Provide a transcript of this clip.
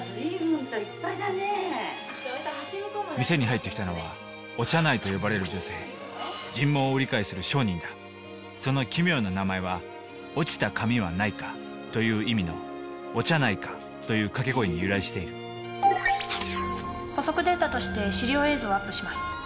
店に入ってきたのは「おちゃない」と呼ばれる女性その奇妙な名前は「落ちた髪はないか」という意味の「おちゃないか」という掛け声に由来している補足データとして資料映像をアップします。